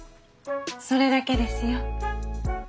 それだけですよ。